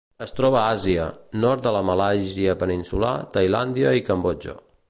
Es troba a Àsia: nord de la Malàisia peninsular, Tailàndia i Cambodja.